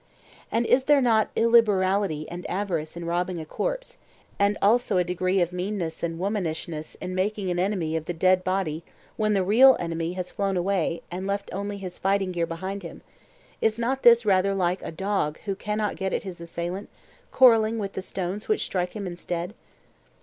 And is there not illiberality and avarice in robbing a corpse, and also a degree of meanness and womanishness in making an enemy of the dead body when the real enemy has flown away and left only his fighting gear behind him,—is not this rather like a dog who cannot get at his assailant, quarrelling with the stones which strike him instead?